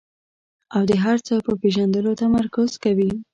او د هر څه په پېژندلو تمرکز کوي.